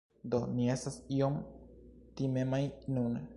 Do, ni estas iom timemaj nun